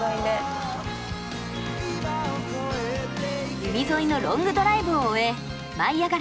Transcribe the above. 海沿いのロングドライブを終え「舞いあがれ！」